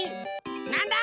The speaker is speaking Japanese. なんだ？